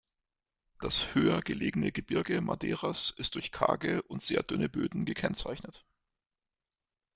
Das höher gelegene Gebirge Madeiras ist durch karge und sehr dünne Böden gekennzeichnet.